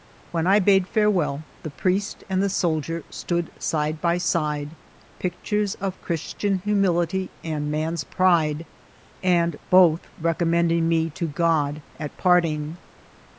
When I bade ftBurewell, the priest and the soldier stood side by side, pictures of Christian humility and man's pride, and both recommended me to Ood at parting.